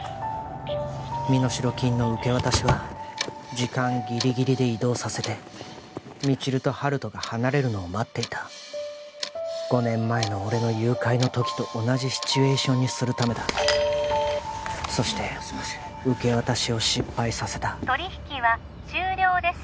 身代金の受け渡しは時間ギリギリで移動させて未知留と温人が離れるのを待っていた５年前の俺の誘拐の時と同じシチュエーションにするためだそして受け渡しを失敗させた取り引きは終了です